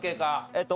えっと